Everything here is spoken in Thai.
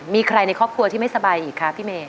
มีใครในครอบครัวที่ไม่สบายอีกคะพี่เมย